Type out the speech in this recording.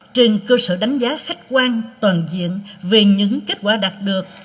trên cơ sở đánh giá khách quan toàn diện về những kết quả đạt được